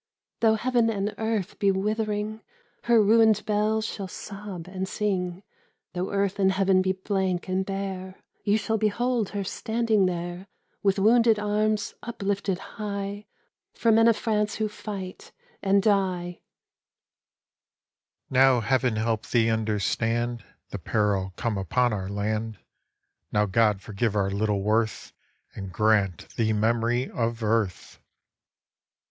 Though heaven and earth be withering, Her ruined bells shall sob and sing: Though earth and heaven be blank and bare, You shall behold her standing there With wounded arms uplifted high For men of France who fight and die ! The Men of France : Now heaven help thee understand The peril come upon our land! Now God forgive our little worth And grant thee memory of earth!